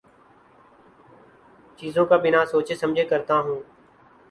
چیزوں کا بنا سوچے سمجھے کرتا ہوں